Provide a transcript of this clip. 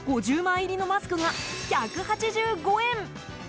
５０枚入りのマスクが１８５円。